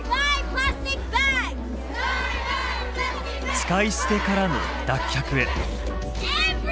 「使い捨て」からの脱却へ。